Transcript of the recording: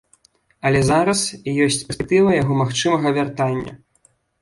Але зараз ёсць перспектыва яго магчымага вяртання.